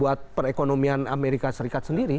bukan hanya untuk perekonomian amerika serikat sendiri